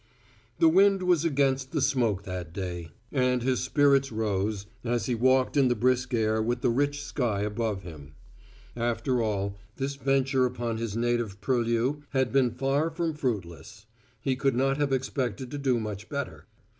... The wind was against the smoke that day; and his spirits rose, as he walked in the brisk air with the rich sky above him. After all, this venture upon his native purlieus had been fax from fruitless: he could not have expected to do much better.